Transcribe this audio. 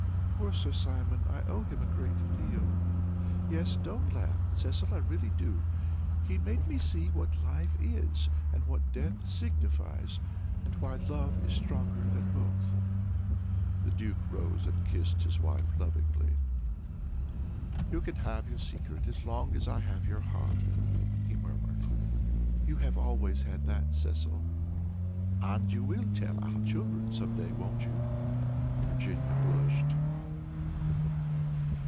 Poor Sir Simon! I owe him a great deal. Yes, don't laugh, Cecil, I really do. He made me see what Life is, and what Death signifies, and why Love is stronger than both." The Duke rose and kissed his wife lovingly. "You can have your secret as long as I have your heart," he murmured. "You have always had that, Cecil." "And you will tell our children some day, won't you?" Virginia blushed.